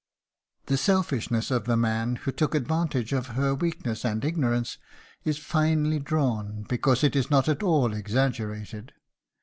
The selfishness of the man who took advantage of her weakness and ignorance is finely drawn because it is not at all exaggerated.